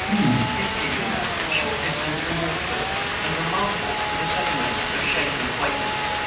] [Footnote 20: Niskayuna, a short distance from Waterford, and remarkable as a settlement of Shaking Quakers.